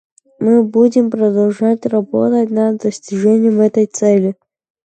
Мы будем продолжать работать над достижением этой цели.